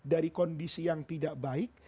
dari kondisi yang tidak baik